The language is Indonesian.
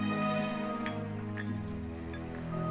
dia mencari saya